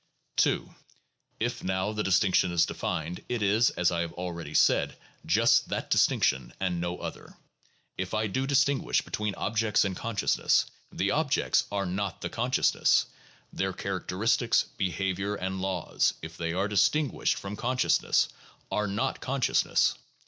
2. If, now, the distinction is defined, it is, as I have already said, just that distinction and no other. If I do distinguish between objects and consciousness, the objects are not the con sciousness. Their characteristics, behavior, and laws, if they are distinguished from consciousness, are not consciousness.